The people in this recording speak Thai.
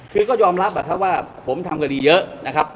คือก็ยอมรับนะครับว่าผมทำคดีเยอะนะครับ